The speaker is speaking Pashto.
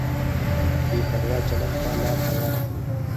بې پروا چلند ته لار هواره کړي.